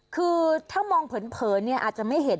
คือถ้ามองเผินอาจจะไม่เห็น